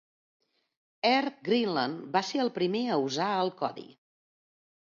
Air Greenland va ser el primer a usar el codi.